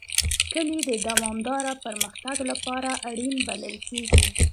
کلي د دوامداره پرمختګ لپاره اړین بلل کېږي.